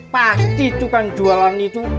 pasti itu kan jualan itu